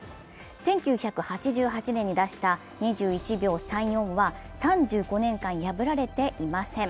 １９８８年に出した２１秒３４は３５年間破られていません。